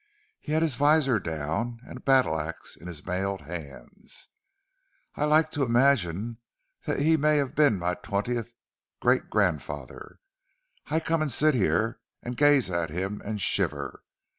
(He had his visor down, and a battle axe in his mailed hands.) "I like to imagine that he may have been my twentieth great grandfather. I come and sit here, and gaze at him and shiver.